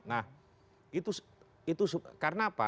nah itu karena apa